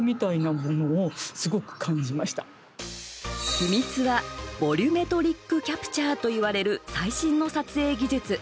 秘密はボリュメトリックキャプチャーといわれる最新の撮影技術。